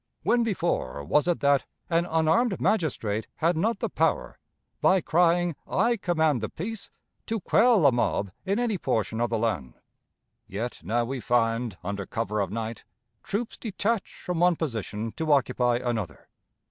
When before was it that an unarmed magistrate had not the power, by crying, "I command the peace," to quell a mob in any portion of the land? Yet now we find, under cover of night, troops detached from one position to occupy another.